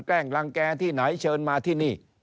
แกล้งรังแก่ที่ไหนเชิญมาที่นี่